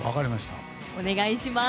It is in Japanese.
お願いします。